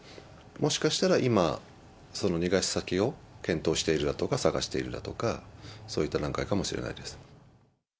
もしかしたら今、その逃がし先を検討しているだとか、探しているだとか、そういった段階かもしれないです。